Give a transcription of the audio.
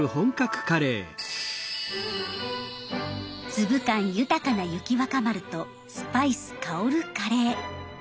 粒感豊かな雪若丸とスパイス香るカレー。